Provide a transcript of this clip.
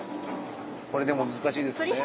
これでも難しいですね。